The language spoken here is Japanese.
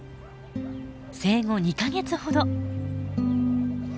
生後２か月ほど。